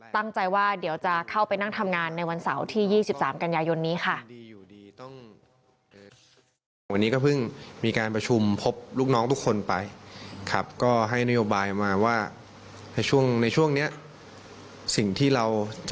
ตั้งใจว่าเดี๋ยวจะเข้าไปนั่งทำงานในวันเสาร์ที่๒๓กันยายนนี้ค่ะ